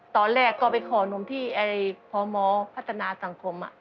ตอนแรกก็ไปขอนมที่พมพัฒนาสังคม